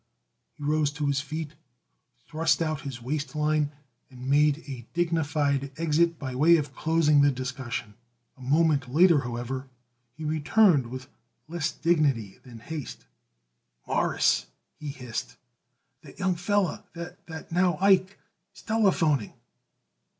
He rose to his feet, thrust out his waist line and made a dignified exit by way of closing the discussion. A moment later, however, he returned with less dignity than haste. "Mawruss," he hissed, "that young feller that that now, Ike is telephoning."